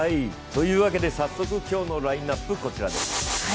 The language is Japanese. というわけで早速今日のラインナップです。